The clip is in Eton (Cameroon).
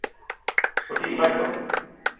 O te yi ma douga